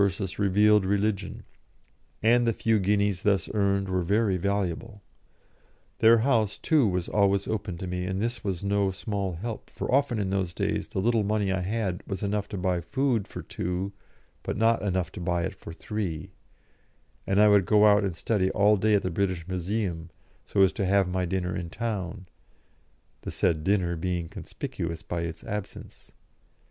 Revealed Religion, and the few guineas thus earned were very valuable. Their house, too, was always open to me, and this was no small help, for often in those days the little money I had was enough to buy food for two but not enough to buy it for three, and I would go out and study all day at the British Museum, so as to "have my dinner in town," the said dinner being conspicuous by its absence.